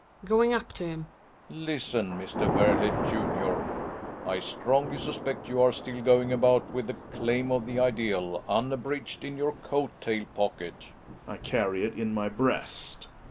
Relling {going up to him). Listen, Mr. Werle, junior, I strongly suspect you are still going about with " the jlaim of the ideal" unabridged in your coat tail pc>cket. Gregers. I carry it in my breast.